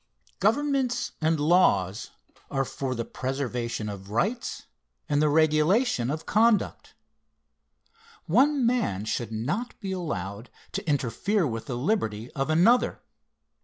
Governments and laws are for the preservation of rights and the regulation of conduct. One man should not be allowed to interfere with the liberty of another.